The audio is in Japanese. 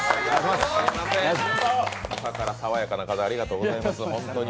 朝からさわやかな風、ありがとうございます、ホントに。